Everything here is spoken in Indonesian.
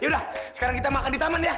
yaudah sekarang kita makan di taman ya